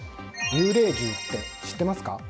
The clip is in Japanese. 幽霊銃って知ってますか？